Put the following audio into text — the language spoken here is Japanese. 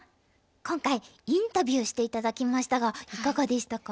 今回インタビューして頂きましたがいかがでしたか？